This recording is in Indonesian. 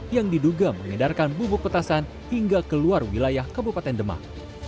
yang diduga mengedarkan bubuk petasan hingga keluar wilayah kabupaten demak